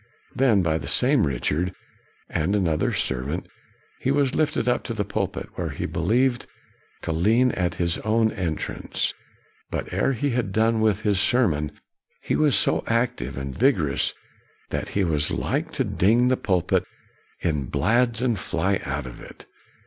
" Then, by the same Richard and another servant, he was lifted up to the pulpit, where he behoved to lean at his first entrance; but, ere he had done with his sermon, he was so active and vigorous that he was like to ding the pul pit in blads and fly out of it.''